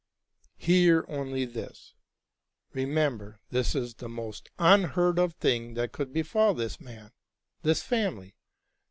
'' Hear only this. Remember, this is the most unheard of thing that could befall this man, this family.